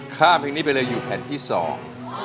ข้ามเพลงนี้ไปเลยอยู่แผ่นที่สอง